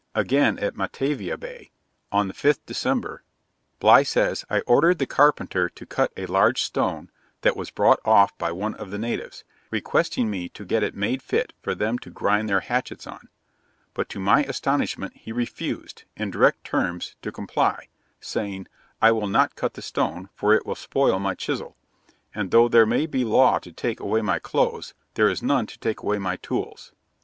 Again, at Matavai Bay, on the 5th December, Bligh says, 'I ordered the carpenter to cut a large stone that was brought off by one of the natives, requesting me to get it made fit for them to grind their hatchets on, but to my astonishment he refused, in direct terms, to comply, saying, "I will not cut the stone, for it will spoil my chisel; and though there may be law to take away my clothes, there is none to take away my tools."